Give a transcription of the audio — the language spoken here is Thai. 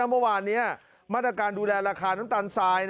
เมื่อวานนี้มาตรการดูแลราคาน้ำตาลทราย